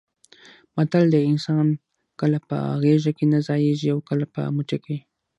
متل دی: انسان کله په غېږه کې نه ځایېږي اوکله په موټي کې.